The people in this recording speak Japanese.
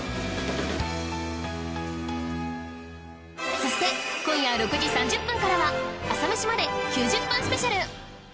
そして今夜６時３０分からは『朝メシまで。』９０分スペシャル